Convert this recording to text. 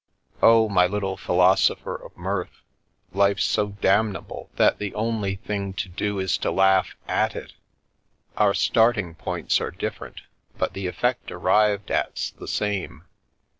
" Oh, my little philosopher of mirth, life's so dam nable that the only thing to do is to laugh — at it. Our starting points are different, but the effect arrived at's the same.